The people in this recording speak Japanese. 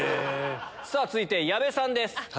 続いて矢部さんです。